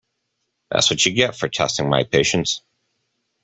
That’s what you get for testing my patience.